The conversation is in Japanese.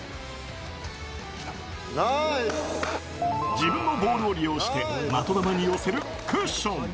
自分のボールを利用して、的球に寄せるクッション。